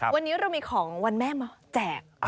วันนี้เรามีของวันแม่มาแจก